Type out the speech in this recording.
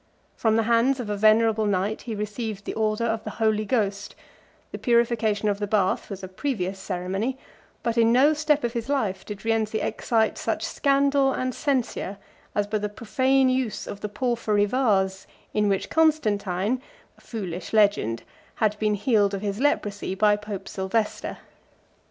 From the hands of a venerable knight he received the order of the Holy Ghost; the purification of the bath was a previous ceremony; but in no step of his life did Rienzi excite such scandal and censure as by the profane use of the porphyry vase, in which Constantine (a foolish legend) had been healed of his leprosy by Pope Sylvester.